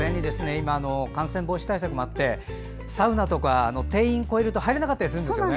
今、感染防止対策もあってサウナとか定員を超えると入れなかったりするんですよね。